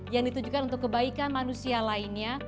yang ditujukan untuk kebaikan manusia lainnya